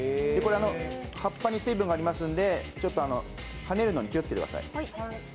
葉っぱに水分がありますので、跳ねるので気をつけてください。